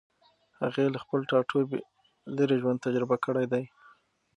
هغې له خپل ټاټوبي لېرې ژوند تجربه کړی دی.